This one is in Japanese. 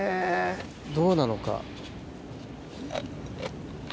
どうなのか？